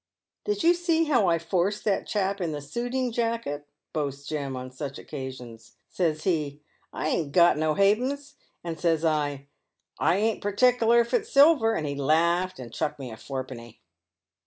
"Did you see how I forced that chap in the shooting jacket p" boasts Jem on such occasions. "Says he, 'I ain't got no ha'pence,' and, says I, ' I ain't perticular if its silver ;' and he laughed, and chucked me a fourpenny."